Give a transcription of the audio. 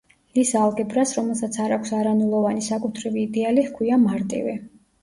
ლის ალგებრას, რომელსაც არ აქვს არანულოვანი საკუთრივი იდეალი ჰქვია მარტივი.